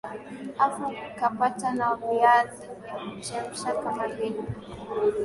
afu ukapata na viazi vya kuchemsha kama vinne